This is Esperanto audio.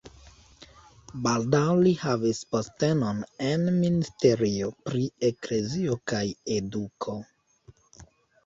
Baldaŭ li havis postenon en ministerio pri eklezio kaj eduko.